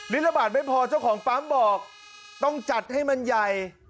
ละบาทไม่พอเจ้าของปั๊มบอกต้องจัดให้มันใหญ่